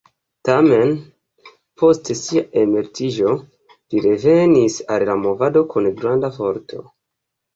Tamen, post sia emeritiĝo li revenis al la movado kun granda forto.